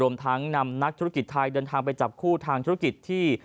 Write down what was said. ทั้งนำนักธุรกิจไทยเดินทางไปจับคู่ทางธุรกิจที่